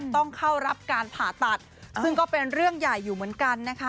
ต้องเข้ารับการผ่าตัดซึ่งก็เป็นเรื่องใหญ่อยู่เหมือนกันนะคะ